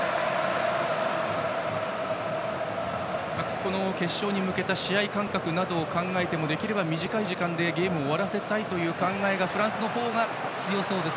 この決勝に向けた試合感覚などを考えてもできれば短い時間でゲームを終わらせたいという思いがフランスのほうが強そうです。